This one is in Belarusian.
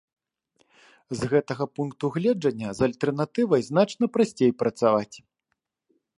З гэтага пункту гледжання з альтэрнатывай значна прасцей працаваць.